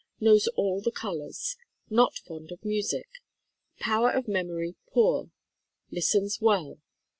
Knows all the colors. Not fond of music. Power of memory poor. Listens well.